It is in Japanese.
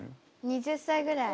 ２０歳ぐらい。